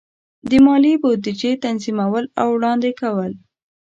د مالی بودیجې تنظیمول او وړاندې کول.